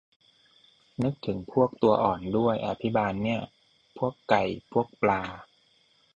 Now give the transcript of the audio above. นึกถึงพวกตัวอ่อนด้วย อภิบาลเนี่ย พวกไก่ พวกปลา